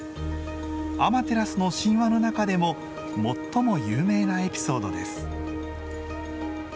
アマテラスの神話の中でも最も有名なエピソードです。